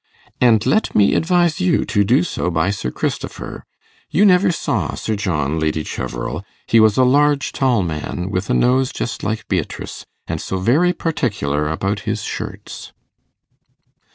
And let me advise you to do so by Sir Christopher. You never saw Sir John, Lady Cheverel. He was a large tall man, with a nose just like Beatrice, and so very particular about his shirts.